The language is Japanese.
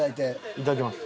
いただきます。